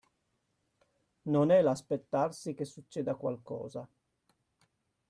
Non è l'aspettarsi che succeda qualcosa.